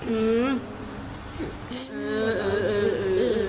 อืม